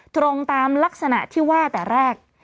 ตรงตามลักษณะที่ว่าแต่แรก